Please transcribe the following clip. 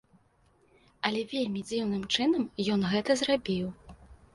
Але вельмі дзіўным чынам ён гэта зрабіў.